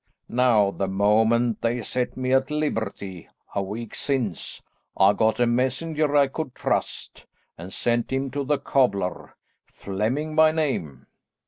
Now the moment they set me at liberty, a week since, I got a messenger I could trust, and sent him to the cobbler, Flemming by name.